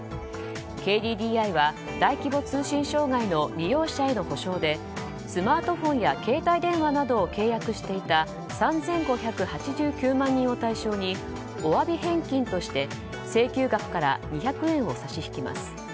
ＫＤＤＩは大規模通信障害の利用者への補償でスマートフォンや携帯電話などを契約していた３５８９万人を対象にお詫び返金として請求額から２００円を差し引きます。